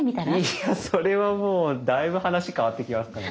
いやそれはもうだいぶ話変わってきますからね。